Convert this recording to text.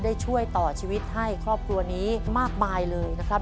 ช่วยต่อชีวิตให้ครอบครัวนี้มากมายเลยนะครับ